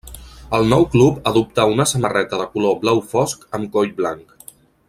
El nou club adoptà una samarreta de color blau fosc amb coll blanc.